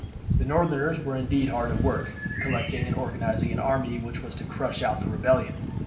The Northerners were indeed hard at work, collecting and organizing an army which was to crush out the rebellion.